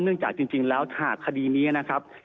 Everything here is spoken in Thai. คือจริงคงมีการอูทรอยู่แล้วเนี่ยนะคะ